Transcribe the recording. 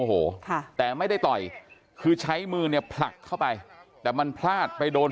โอ้โหค่ะแต่ไม่ได้ต่อยคือใช้มือเนี่ยผลักเข้าไปแต่มันพลาดไปโดน